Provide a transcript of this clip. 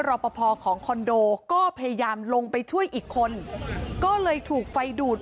รอปภของคอนโดก็พยายามลงไปช่วยอีกคนก็เลยถูกไฟดูด